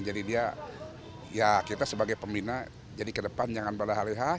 jadi dia ya kita sebagai pembina jadi ke depan jangan pada hari hari